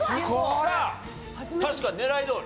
さあ確かに狙いどおり。